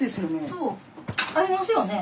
そう。ありますよね？